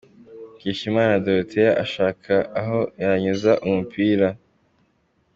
Mukeshimana Dorothea ashaka aho yanyuza umupira.